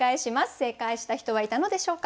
正解した人はいたのでしょうか？